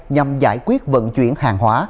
nhằm giải quyết vận chuyển hàng hóa